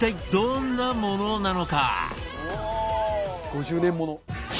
５０年もの。